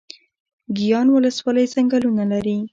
ګیان ولسوالۍ ځنګلونه لري؟